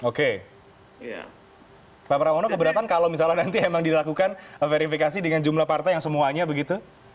oke pak pramono keberatan kalau misalnya nanti emang dilakukan verifikasi dengan jumlah partai yang semuanya begitu